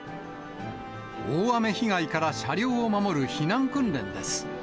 大雨被害から車両を守る避難